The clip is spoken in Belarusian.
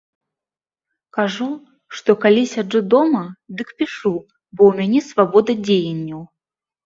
Кажу, што калі сяджу дома, дык пішу, бо ў мяне свабода дзеянняў.